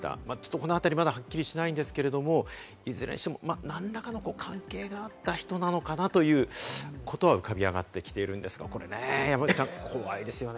このあたり、まだはっきりしないんですけど、いずれにしても何らかの関係があった人なのかな？ということは浮かび上がってきているんですが、山ちゃん、怖いですよね。